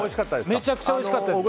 めちゃくちゃおいしかったです。